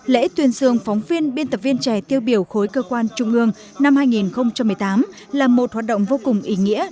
lễ tuyên dương phóng viên biên tập viên trẻ tiêu biểu khối cơ quan trung ương năm hai nghìn một mươi tám là một hoạt động vô cùng ý nghĩa